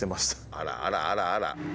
あらあらあらあら！